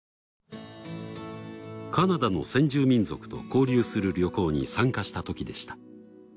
カナダの先住民族と交流する旅行に参加したときでした。